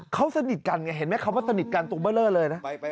เขาสนิทกันไงเห็นไหมคำว่าสนิทกันตรงเบอร์เลอร์เลยนะ